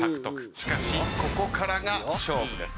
しかしここからが勝負です。